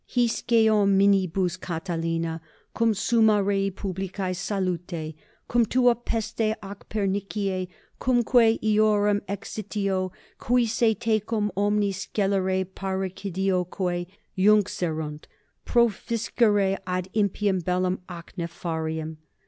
Hisce ominibus, Catilina, cum summa rei publicae salute, cum 33 tua peste ac pernicie cumque eorum exitio, qui se tecum omni scelere parricidioque iunxerunt, proficiscere ad impium bellum ac nefarium.